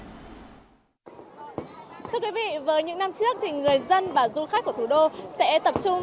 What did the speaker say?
thưa quý vị với những năm trước thì người dân và du khách của thủ đô sẽ tập trung